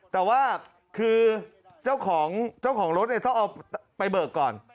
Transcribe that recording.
แต่ว่าคือเจ้าของรถเนี่ยเขาเอาไปเบิกก่อน